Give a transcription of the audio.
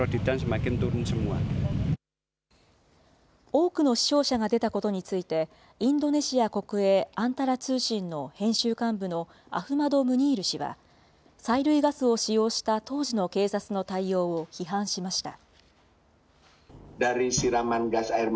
多くの死傷者が出たことについて、インドネシア国営アンタラ通信の編集幹部のアフマド・ムニール氏は、催涙ガスを使用した当時の警察の対応を批判しました。